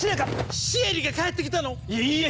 シエリが帰ってきたの⁉いいえ！